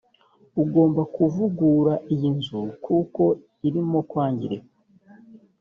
ugomba kuvugura iyi nzu kuko irimo kwangirika